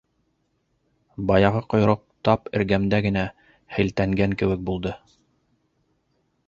Баяғы ҡойроҡ тап эргәмдә генә һелтәнгән кеүек булды.